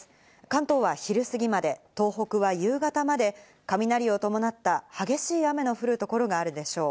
関東は昼過ぎまで、東北は夕方まで雷を伴った激しい雨の降る所があるでしょう。